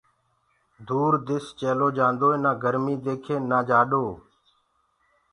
دور دِس چيلو جآندوئي نآ گرميٚ ديکي نآ سرديٚ